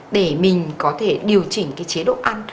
để mình có thể điều chỉnh chế độ ăn